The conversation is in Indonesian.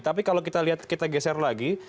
tapi kalau kita lihat kita geser lagi